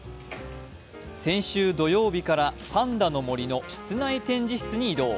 先週土曜日からパンダのもりの室内展示室に移動。